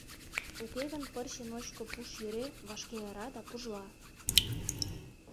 Уке гын пырче ночко пуш йӧре вашке ыра да пужла.